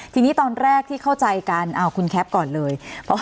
ทีนี้ตอนแรกที่เข้าใจกันคุณแคปก่อนเลย